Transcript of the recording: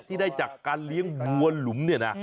ที่ได้จากการเลี้ยงปัวหลุม